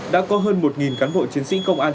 đã có hơn một cán bộ chiến sĩ công an